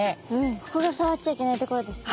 ここがさわっちゃいけないところですね。